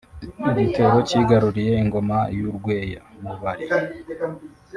Igitero cyigaruriye Ingoma y’ u Rweya (Mubali)